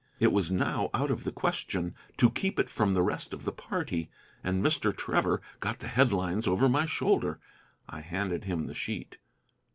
It was now out of the question to keep it from the rest of the party, and Mr. Trevor got the headlines over my shoulder. I handed him the sheet.